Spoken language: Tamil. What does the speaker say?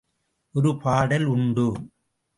ஒரு பாடல் உண்டு.